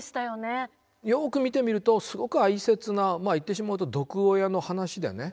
よく見てみるとすごく哀切な言ってしまうと毒親の話だよね。